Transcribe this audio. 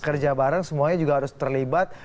kerja bareng semuanya juga harus terlibat